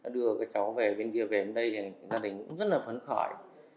đưa cái cháu về bên kia về bên đây thì gia đình cũng rất là phấn khỏi